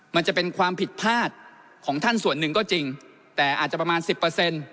มันจะเป็นความผิดพลาดของท่านส่วนหนึ่งก็จริงแต่อาจจะประมาณสิบเปอร์เซ็นต์